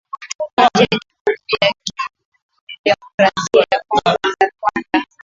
kati ya jamhuri ya kidemokrasia ya Kongo na Rwanda